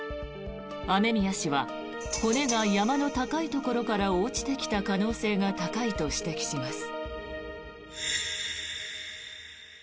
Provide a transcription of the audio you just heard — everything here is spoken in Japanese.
雨宮氏は骨が山の高いところから落ちてきた可能性が高いと指摘します。